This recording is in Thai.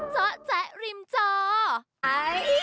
เจ้าแจ๊ะริมเจ้า